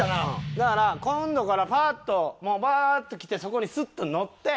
だから今度からフラッともうバーッと来てそこにスッと乗って。